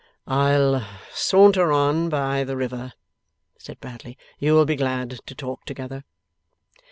'I'll saunter on by the river,' said Bradley. 'You will be glad to talk together.